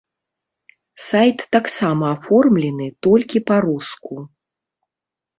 Сайт таксама аформлены толькі па-руску.